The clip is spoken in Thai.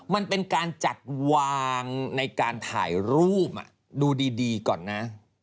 มันเป็นการจัดวางในการถ่ายรูปดูดีก่อนนะ